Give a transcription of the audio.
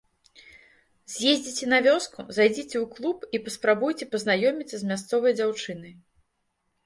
З'ездзіце на вёску, зайдзіце ў клуб і паспрабуйце пазнаёміцца з мясцовай дзяўчынай.